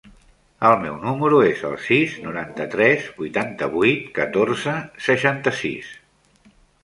El meu número es el sis, noranta-tres, vuitanta-vuit, catorze, seixanta-sis.